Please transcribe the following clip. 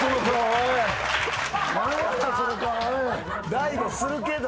大悟するけど。